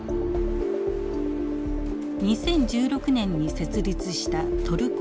２０１６年に設立したトルコ工場。